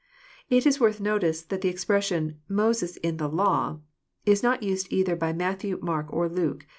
It is worth notice, that the expression, '< Moses in the law," is not nsed either by Matthew, Mark, or Luke.